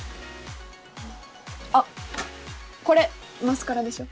あっこれマスカラでしょ？